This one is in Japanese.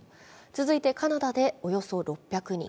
続いてカナダでおよそ６００人。